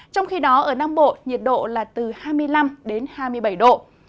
trong khi đó ở nam bộ nhiệt độ là từ hai mươi năm đến hai mươi bảy độ